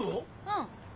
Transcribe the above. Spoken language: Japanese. うん。